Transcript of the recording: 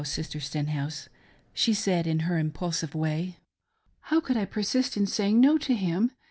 Sister Stenhouse "— she said in her impulsive way :—" How could I persist in saying No to him